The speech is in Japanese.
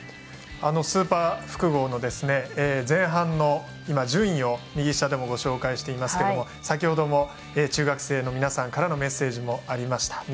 スーパー複合の前半の順位右下でご紹介していますが先ほども中学生の皆さんからのメッセージもありました。